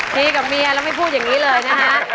กับเมียแล้วไม่พูดอย่างนี้เลยนะคะ